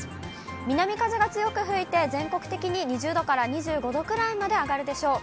南風が強く吹いて、全国的に２０度から２５度ぐらいまで上がるでしょう。